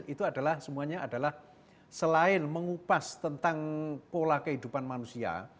itu adalah semuanya adalah selain mengupas tentang pola kehidupan manusia